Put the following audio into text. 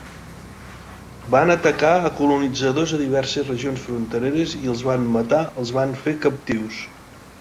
Van atacar a colonitzadors a diverses regions frontereres, i els van matar els van fer captius.